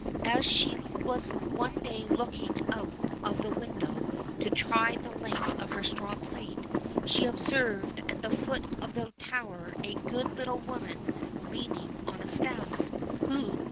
As she was one day looking out of the window to try the length of her straw plait, she observed at the foot of the tower a good little woman leaning on a staff, who.